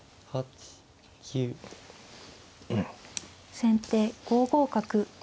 先手５五角。